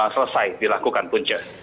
selesai dilakukan punca